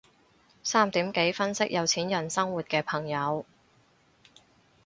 三點幾分析有錢人生活嘅朋友